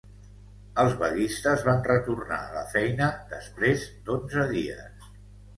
Els vaguistes van retornar a la feina després d'onze dies.